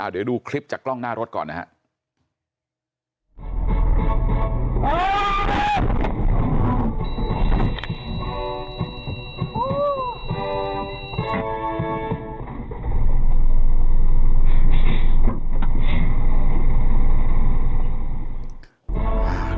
เดี๋ยวดูคลิปจากกล้องหน้ารถก่อนนะครับ